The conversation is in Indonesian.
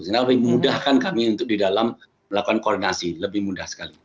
sehingga lebih memudahkan kami untuk di dalam melakukan koordinasi lebih mudah sekali